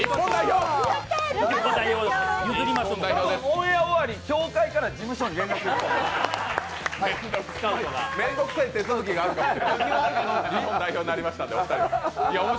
オンエア終わり、協会から事務所に連絡あるかも。